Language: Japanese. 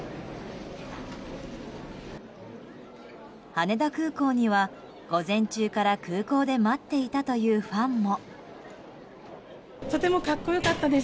羽田空港には午前中から空港で待っていたというファンも。